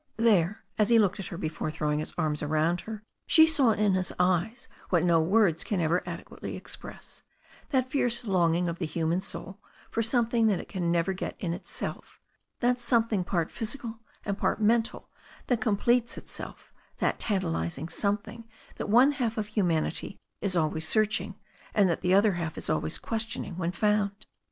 There as he looked at her before throwing his arms around her she saw in his eyes what no words can ever adequately express, that fierce longing of the human soul for something that it can never get in itself, that something part physical and part mental that completes itself, that tan talizing something that one half of humanity is always 424 THE STORY OF A NEW ZEALAND RIVER searching, and that the other half is always questioning when found.